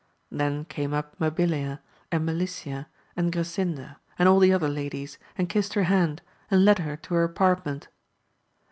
Then came up Mabilia, and Melicia, and Grasinda, and all the other ladies, and* kissed her hand, and led her to her apart ment.